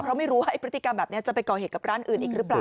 เพราะไม่รู้ว่าพฤติกรรมแบบนี้จะไปก่อเหตุกับร้านอื่นอีกหรือเปล่า